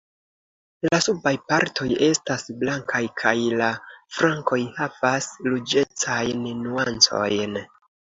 La subaj partoj estas blankaj kaj la flankoj havas ruĝecajn nuancojn.